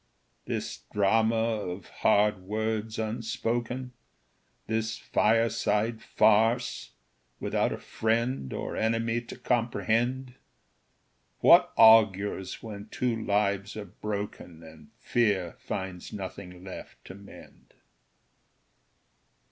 This drama of hard words unspoken, This fireside farce, without a friend Or enemy to comprehend What augurs when two lives are broken, And fear finds nothing left to mend.